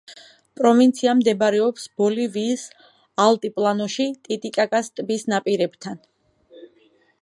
პროვინცია მდებარეობს ბოლივიის ალტიპლანოში, ტიტიკაკას ტბის ნაპირებთან.